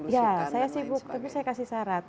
ya saya sibuk tapi saya kasih syarat